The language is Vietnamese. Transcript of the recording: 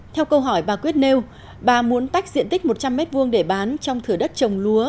theo câu hỏi bà quyết nêu bà muốn tách diện tích một trăm linh m hai để bán trong thửa đất trồng lúa